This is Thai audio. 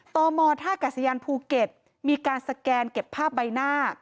ตมท่ากัศยานภูเก็ตมีการสแกนเก็บภาพใบหน้า